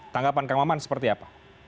tanggapan kang maman seperti apa